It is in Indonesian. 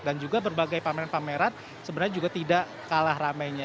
dan juga berbagai pameran pameran sebenarnya juga tidak kalah ramainya